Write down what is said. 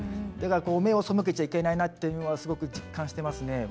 だから目を背けちゃいけないなというのはすごく実感してますね。